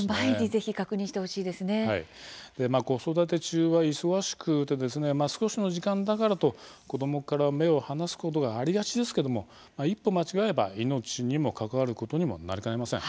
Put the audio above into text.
でまあ子育て中は忙しくてですね少しの時間だからと子供から目を離すことがありがちですけども一歩間違えば命にも関わることにもなりかねません。